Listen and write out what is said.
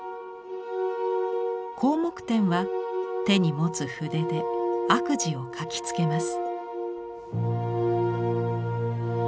広目天は手に持つ筆で悪事を書きつけます。